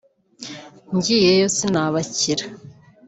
ngiyeyo sinabakira